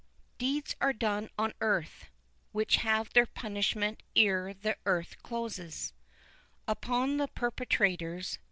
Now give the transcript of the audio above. Deeds are done on earth Which have their punishment ere the earth closes Upon the perpetrators.